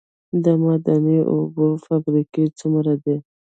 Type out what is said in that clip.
د معدني اوبو فابریکې څومره دي؟